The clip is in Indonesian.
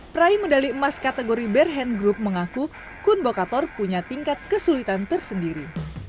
prai medali emas kategori berhan group mengaku kun bokator punya tingkat kesulitan tersendiri